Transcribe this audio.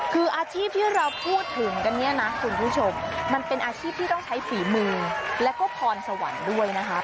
คืออาชีพที่เราพูดถึงกันเนี่ยนะคุณผู้ชมมันเป็นอาชีพที่ต้องใช้ฝีมือแล้วก็พรสวรรค์ด้วยนะคะ